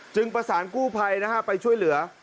จึงประสานกู้ภัยนะครับไปช่วยเหลือ